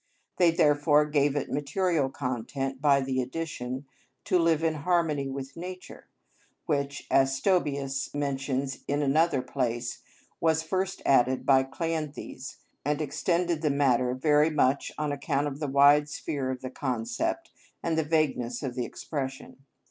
They therefore gave it material content by the addition—"to live in harmony with nature" (ὁμολογουμενως τῃ φυσει ζῃν), which, as Stobæus mentions in another place, was first added by Kleanthes, and extended the matter very much on account of the wide sphere of the concept and the vagueness of the expression.